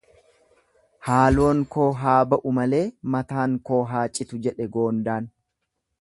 Haaloon koo haa ba'u malee mataan koo haa cittu, jedhe goondaan.